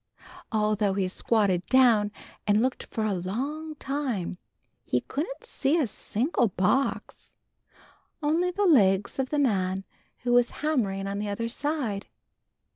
Although he squatted down and looked for a long time he couldn't see a single box, only the legs of the man who was hammering on the other side.